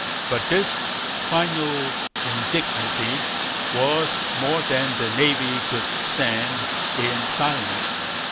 But this final indignity was more than the Navy could stand in silence.